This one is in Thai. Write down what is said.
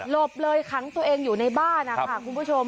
บเลยขังตัวเองอยู่ในบ้านนะคะคุณผู้ชม